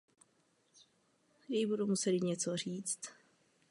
Také musel přestěhovat celou správu svého majetku z Vídně do Československa.